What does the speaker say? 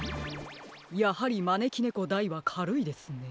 やはりまねきねこ・大はかるいですね。